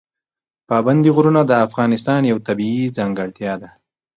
پابندی غرونه د افغانستان یوه طبیعي ځانګړتیا ده.